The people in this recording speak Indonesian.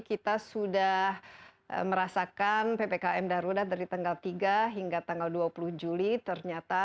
kita sudah merasakan ppkm darurat dari tanggal tiga hingga tanggal dua puluh juli ternyata